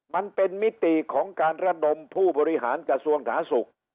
มันเป็นมิติของการรับรมผู้บริหารกระทรวงสหรษวงศ์